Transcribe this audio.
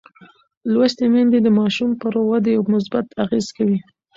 لوستې میندې د ماشوم پر ودې مثبت اغېز کوي.